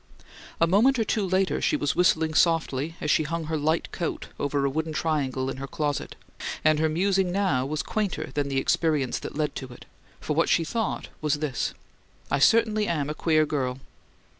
A moment or two later she was whistling softly as she hung her light coat over a wooden triangle in her closet, and her musing now was quainter than the experience that led to it; for what she thought was this, "I certainly am a queer girl!"